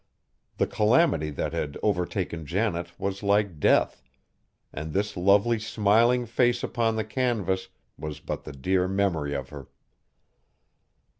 The calamity that had overtaken Janet was like death, and this lovely smiling face upon the canvas was but the dear memory of her!